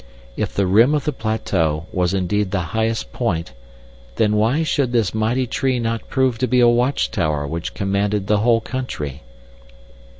If the rim of the plateau was indeed the highest point, then why should this mighty tree not prove to be a watchtower which commanded the whole country?